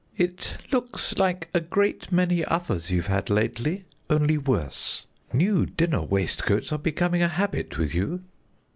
"It looks like a great many others you've had lately, only worse. New dinner waistcoats are becoming a habit with you."